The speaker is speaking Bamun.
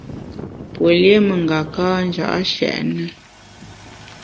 Pue lié mengaka nja’ nshèt ne.